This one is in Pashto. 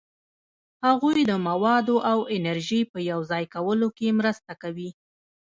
هغوی د موادو او انرژي په یوځای کولو کې مرسته کوي.